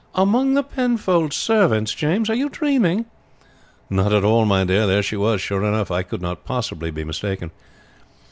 "Among the Penfolds' servants, James! Are you dreaming?" "Not at all, my dear; there she was, sure enough. I could not possibly be mistaken."